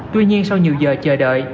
tuy nhiên sau nhiều giờ chờ đợi